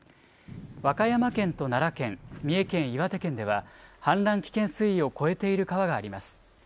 和歌山県と奈良県、三重県、岩手県では氾濫危険水位を超えている川があります。